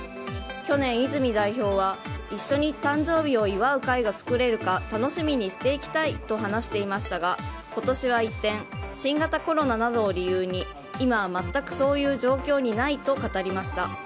去年、泉代表は一緒に誕生日を祝う会が作れるか楽しみにしていきたいと話していましたが今年は一転新型コロナなどを理由に今は全くそういう状況にないと語りました。